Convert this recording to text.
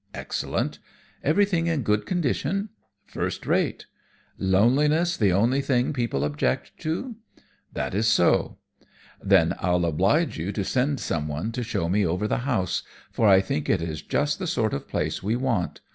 "Excellent." "Everything in good condition?" "First rate." "Loneliness the only thing people object to?" "That is so." "Then I'll oblige you to send someone to show me over the house, for I think it is just the sort of place we want.